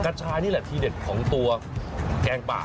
ชานี่แหละทีเด็ดของตัวแกงป่า